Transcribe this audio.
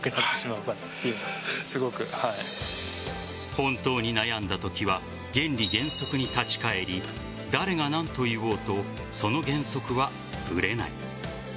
本当に悩んだときは原理原則に立ち返り誰が何と言おうとその原則はぶれない。